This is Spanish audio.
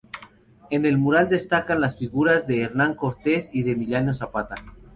En el mural destacan las figuras de Hernán Cortes y de Emiliano Zapata.